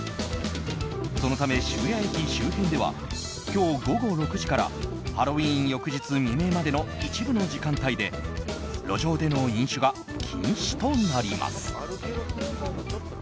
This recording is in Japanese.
そのため、渋谷駅周辺では今日午後６時からハロウィーン翌日未明までの一部の時間帯で路上での飲酒が禁止となります。